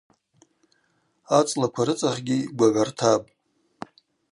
Ацӏлаква рыцӏахьгьи гвагӏвартапӏ.